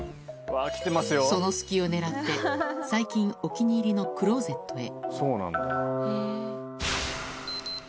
その隙をねらって、最近、お気に入りのクローゼットへ。